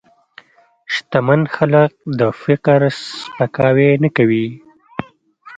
شتمن خلک د فقر سپکاوی نه کوي.